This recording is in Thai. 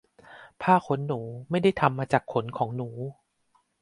ผ้าขนหนู ไม่ได้ทำมาจากขนของหนู